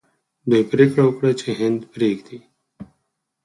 دوی پریکړه وکړه چې هند پریږدي.